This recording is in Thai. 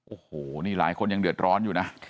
โอ้โหนี่หลายคนยังเดือดร้อนอยู่นะ